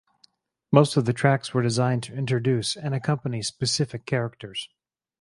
Most of the tracks were designed to introduce and accompany specific characters.